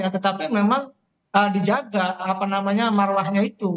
tetapi memang dijaga marwahnya itu